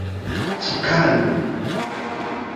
Ŝikalu!